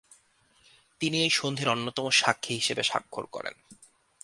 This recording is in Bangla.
তিনি এই সন্ধির অন্যতম সাক্ষী হিসেবে স্বাক্ষর করেন।